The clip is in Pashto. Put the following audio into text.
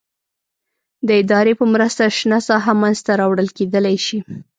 د ادارې په مرسته شنه ساحه منځته راوړل کېدلای شي.